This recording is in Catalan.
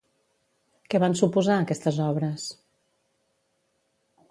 Què van suposar aquestes obres?